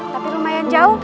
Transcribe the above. tapi lumayan jauh